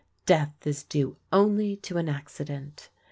Death is due only to an accident.